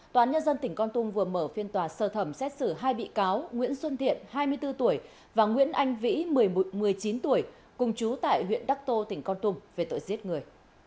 tòa án nhân dân tỉnh con tum vừa mở phiên tòa sơ thẩm xét xử hai bị cáo nguyễn xuân thiện hai mươi bốn tuổi và nguyễn anh vĩ một mươi chín tuổi cùng chú tại huyện đắc tô tỉnh con tum về tội giết người